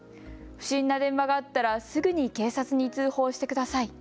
不審な電話があったらすぐに警察に通報してください。